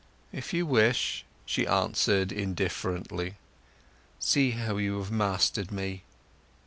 "If you wish," she answered indifferently. "See how you've mastered me!"